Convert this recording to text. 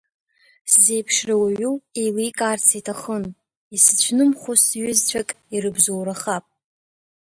Сзеиԥшра уаҩу еиликаарц иҭахын, Исыцәнымхо сҩызцәак ирыбзоурахап.